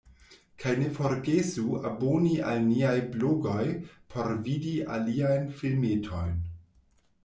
Kaj ne forgesu aboni al niaj blogoj por vidi aliajn filmetojn!